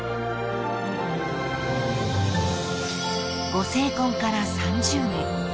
［ご成婚から３０年］